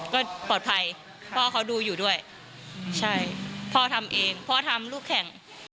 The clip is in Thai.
ก็ปลอดภัยพ่อเขาดูอยู่ด้วยใช่พ่อทำเองพ่อทำลูกแข่ง